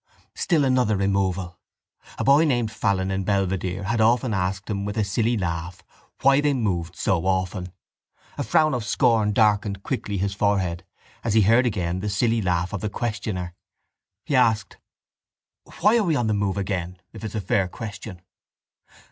Still another removal! A boy named Fallon, in Belvedere, had often asked him with a silly laugh why they moved so often. A frown of scorn darkened quickly his forehead as he heard again the silly laugh of the questioner. He asked: —Why are we on the move again if it's a fair question?